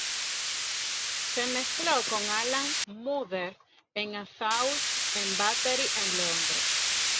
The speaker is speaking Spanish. Se mezcló con Alan Moulder en Assault and Battery en Londres.